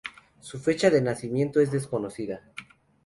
Su fecha de nacimiento es desconocida.